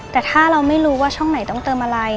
แต่ถ้าเราไม่รู้ว่าช่องไหนต้องเติมอะไร